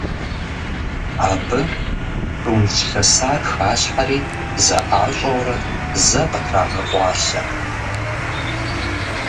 Абы прунж лъэсар халъхьэри, зэӀащӀэурэ, зэ къытрагъэкъуалъэ.